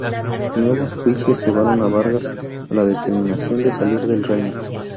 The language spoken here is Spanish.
Nuevos juicios llevaron a Vargas a la determinación de salir del reino.